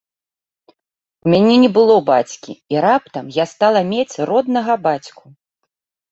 У мяне не было бацькі, і раптам я стала мець роднага бацьку.